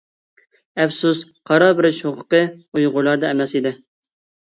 ئەپسۇس قارار بېرىش ھوقۇقى ئۇيغۇرلاردا ئەمەس ئىدى.